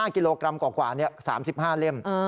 กิโลกรัมกว่า๓๕เล่ม